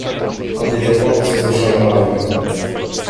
"powiedział obcy z uszanowaniem."